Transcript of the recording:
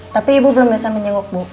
tapi ibu belum bisa menjenguk bu